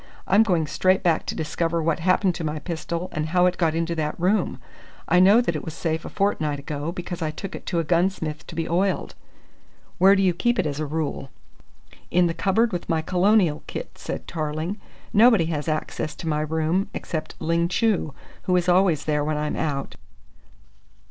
"I'm going straight back to discover what happened to my pistol and how it got into that room. I know that it was safe a fortnight ago because I took it to a gunsmith to be oiled." "Where do you keep it as a rule?" "In the cupboard with my colonial kit," said Tarling. "Nobody has access to my room except Ling Chu, who is always there when I'm out."